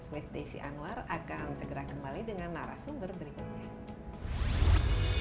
dan saya desi anwar akan segera kembali dengan narasumber berikutnya